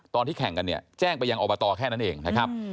ตอนที่แข่งกันเนี่ยแจ้งไปยังอบตแค่นั้นเองนะครับ